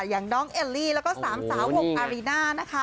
อย่างน้องเอลลี่แล้วก็สามสาววงอารีน่านะคะ